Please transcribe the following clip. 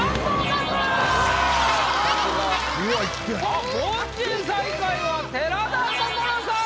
あっ凡人最下位は寺田心さん。